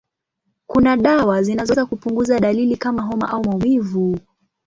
Kuna dawa zinazoweza kupunguza dalili kama homa au maumivu.